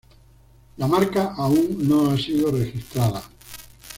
La marca aún no ha sido registrada.